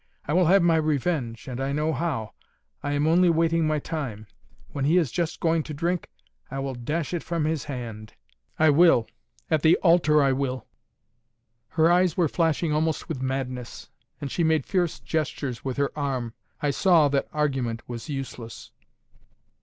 I will have my revenge, and I know how. I am only waiting my time. When he is just going to drink, I will dash it from his hand. I will. At the altar I will." Her eyes were flashing almost with madness, and she made fierce gestures with her arm. I saw that argument was useless.